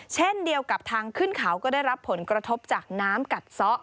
เช่นเดียวกับทางขึ้นเขาก็ได้รับผลกระทบจากน้ำกัดซะ